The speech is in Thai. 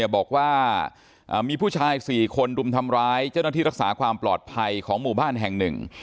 บอกว่ามีผู้ชาย๔คนรุมทำร้ายเจ้าหน้าที่รักษาความปลอดภัยของหมู่บ้านแห่งหนึ่ง